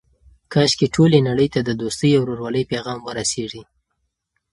کاشکې ټولې نړۍ ته د دوستۍ او ورورولۍ پیغام ورسیږي.